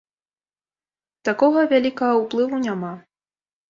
Такога вялікага ўплыву няма.